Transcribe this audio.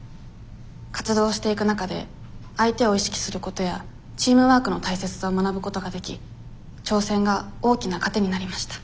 活動していく中で相手を意識することやチームワークの大切さを学ぶことができ挑戦が大きな糧になりました。